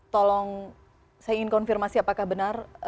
tolong saya ingin konfirmasi apakah benar